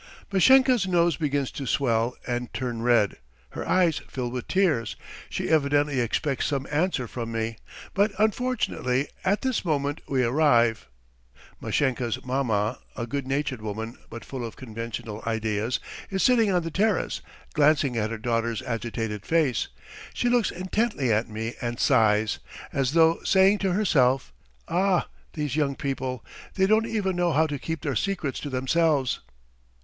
Mashenka's nose begins to swell and turn red, her eyes fill with tears: she evidently expects some answer from me, but, fortunately, at this moment we arrive. Mashenka's mamma, a good natured woman but full of conventional ideas, is sitting on the terrace: glancing at her daughter's agitated face, she looks intently at me and sighs, as though saying to herself: "Ah, these young people! they don't even know how to keep their secrets to themselves!"